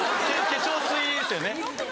化粧水ですよね。